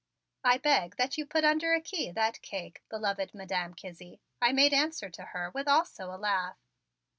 "I beg that you put under a key that cake, beloved Madam Kizzie," I made answer to her with also a laugh.